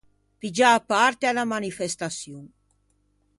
Piggiâ parte à unna manifestaçion.